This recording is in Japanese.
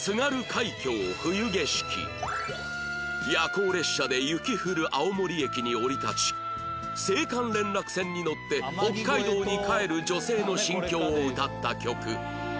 夜行列車で雪降る青森駅に降り立ち青函連絡船に乗って北海道に帰る女性の心境を歌った曲